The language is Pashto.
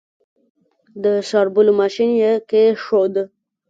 د شاربلو ماشين کې يې کېښود.